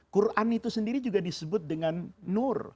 quran itu sendiri juga disebut dengan nur